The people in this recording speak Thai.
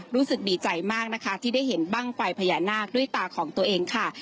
รู้สึกดีใจมากนะคะที่ได้เห็นบ้างไฟพญานาคด้วยตาของตัวเองค่ะ